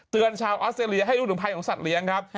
ชาวออสเตรเลียให้รู้ถึงภัยของสัตว์เลี้ยงครับ